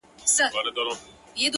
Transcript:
په هغې باندي چا کوډي کړي ـ